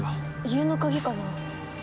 家の鍵かな？